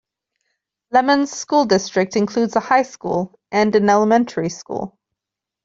Lemmon's school district includes a high school and an elementary school.